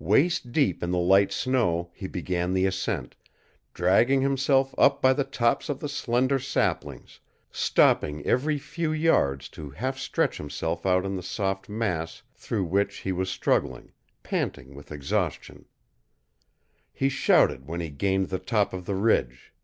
Waist deep in the light snow he began the ascent, dragging himself up by the tops of the slender saplings, stopping every few yards to half stretch himself out in the soft mass through which he was struggling, panting with exhaustion. He shouted when he gained the top of the ridge.